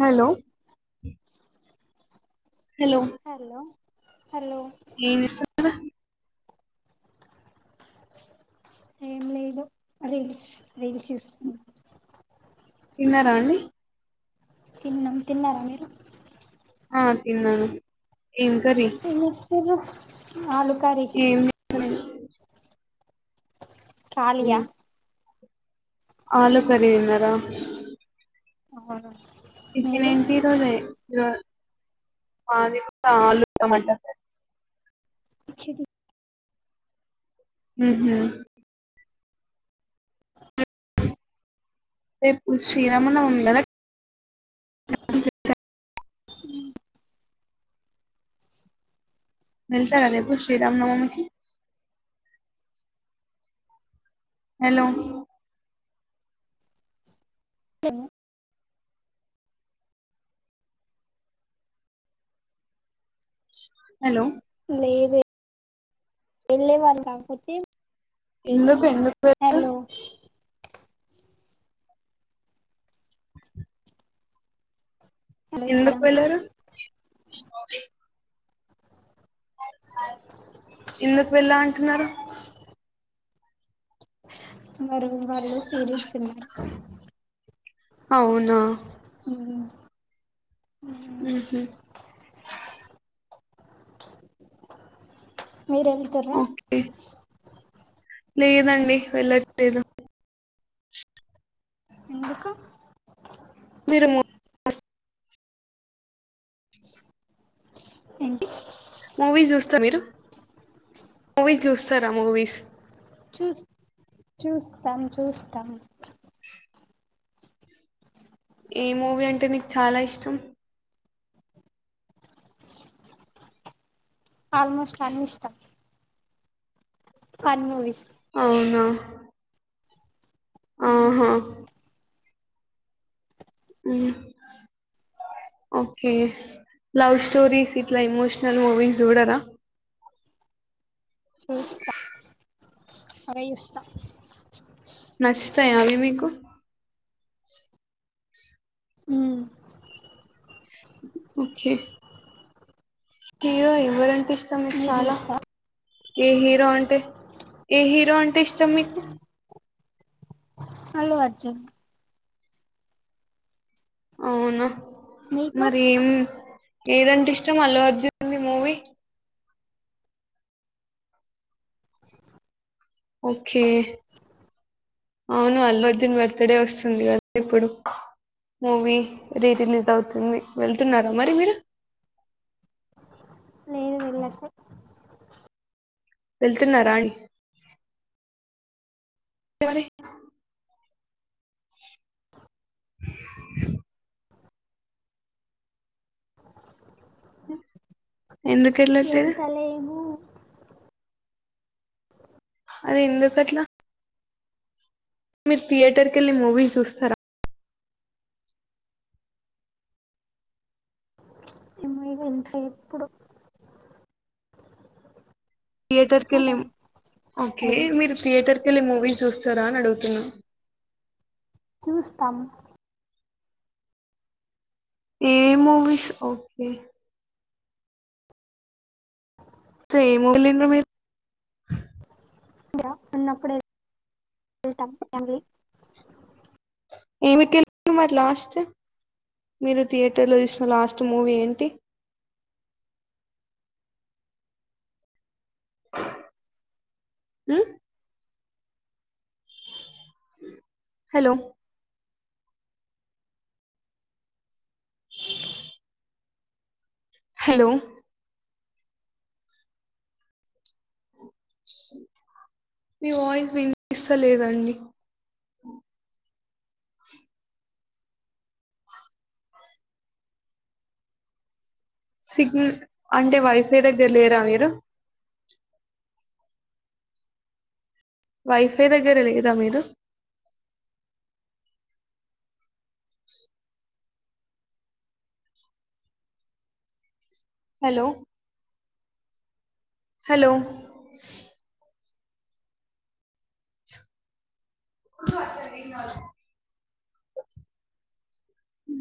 hello hello hello hello [unintelligible] ఏం లేదు reels reels చూస్తున్న తి న్నార అండి తిన్నాం తిన్నారా మీరు ఆ తిన్నాను ఏం కర్రీ సిర్ఫ ఆలుకారీ మని కాళీయా ఆలు కరి తిన్నార ఆ టిఫినెంటి ఈరోజే నిస ఆలుూ టమాటర్ చ్చేది ఉమ్ హు రేపు శ్రీరామనమి కదా [inaudible] ఉ వెళ్తారా రేపు శ్రీరామనవమికి హలో లేద్ హలో లేదు వెళ్లే వాల్ కాకపోతే చేసిన ఎందుకు ఎందుకు వె- హలో ఎందుకు వెళ్లరు ఎందుకు వెళ్ళా అంటున్నారు మ రూమ్ వాళ్ళు పీరియడ్స్ ఉన్నారు అవునా ఇ మీరు ఎల్తూ ర్రా ఓకే లేదండి వెళ్ళట్లేదు ఎందుకు మీరు ఏంటి మూవీస్ చూస్తారు మీరు మూవీస్ చూస్తారా మూవీస్ చూ చూస్తాం చూస్తాం ఏ మూవీ అంటే నీకు చాలా ఇష్టం ఆల్మోస్ట్ అన్నీ ఇష్టం ఫన్ మూవీస్ అవునా ఆహా ఉమ్ ఓకే లవ్ స్టోరీస్ ఇట్లా ఇమోషనల్ మూవీస్ చూడరా చూస్తా అవే చూస్తా నచ్చుతాయా అవి మీకు ఉమ్ ఓకే హీరో ఎవ్వరంటే ఇష్టం మీకు మీరు చాలా చూస్తారా ఏ హీరో అంటే ఏ హీరో అంటే ఇష్టం మీకు అల్లు అర్జున్ అవునా మీకు మరి ఏం ఏదంటే ఇష్టం అల్లు అర్జున్ మీ ఓకే అవును అల్లు అర్జున్ బర్త్డే వస్తుంది కదా ఇప్పుడు మూవీ రీరిలీజ్ అవుతుంది వెళ్తున్నారా మరి మీరు లేేను వెళ్ళట్లే వెళ్తున్నరా అండి [inaudible] ఆ ఎందుకుఎళ్లట్లేదు వెళ్తలేము అది ఎందుకట్లా మీరు థయటర్ కి వెళ్ళి మూవీ చూస్తారా ఇమెయిల్ చేయ్ ఎప్పుడు థియేటర్ కెళ్ళి ఓకే మీరు థియేటర్ కెళ్ళి మూవీ చూస్త సరా అడుగుతున చూస్తాం ఏ మూవీస్ ఓకే ఏం వెళ్ళింది [unintelligible] అన్నప్పుడ వవెళ్తాం [inaudible] ఎ మరి లాస్ట్ [inaudible] మీరు థియేటర్లో చూసిన లాస్ట్ మూవీ ఏంటి ఉమ్ హలో హలో మీ వాయిస్ వినిపిస్తలేదండి సిగ్నల్ అంటే వైఫై దగ్గర లేరా మీరు వైఫై దగ్గర లేదా మీరు హలో హలో త వెనా ఉ